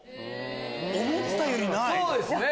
思ってたよりない。